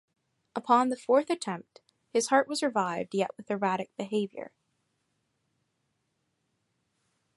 Upon the fourth attempt his heart was revived yet with erratic behavior.